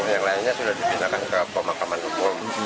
yang lainnya sudah dipindahkan ke pemakaman umum